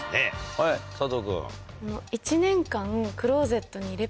はい佐藤君。